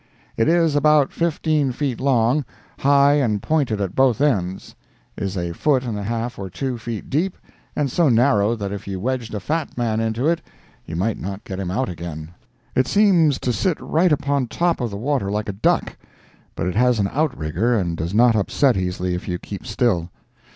It is about fifteen feet long, high and pointed at both ends, is a foot and a half or two feet deep, and so narrow that if you wedged a fat man into it you might not get him out again. It seems to sit right upon top of the water like a duck, but it has an outrigger and does not upset easily if you keep still.